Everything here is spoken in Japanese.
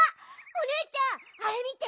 おねえちゃんあれみて！